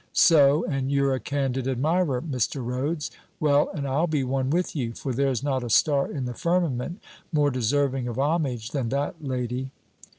So, and you're a candid admirer, Mr. Rhodes! Well, and I'll be one with you; for there's not a star in the firmament more deserving of homage than that lady.'